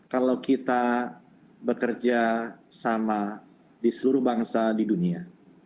kalau kita bekerja sama di seluruh bangsa di dunia